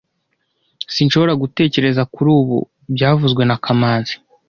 Sinshobora gutekereza kuri ubu byavuzwe na kamanzi